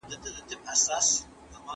له «غني» سره مي ژوند دی ورځ تر بلي تازه کېږم